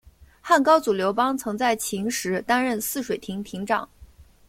汉高祖刘邦曾在秦时担任泗水亭亭长。